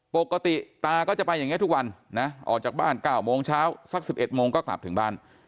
ปกติตาก็จะไปอย่างนี้ทุกวันนะออกจากบ้าน๙โมงเช้าสัก๑๑โมงก็กลับถึงบ้าน